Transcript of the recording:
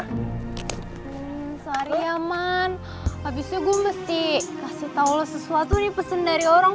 hmm sehari ya man abisnya gue mesti kasih tau lo sesuatu nih pesen dari orang